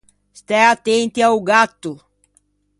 Stæ attenti a-o gatto!